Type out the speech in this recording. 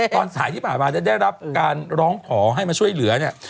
ตอนสายที่ผ่านมาได้รับการร้องขอให้มาช่วยเหลือเนี่ย